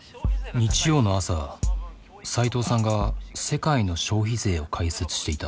日曜の朝斎藤さんが世界の消費税を解説していた。